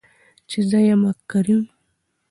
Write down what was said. چې زه يمه کريم .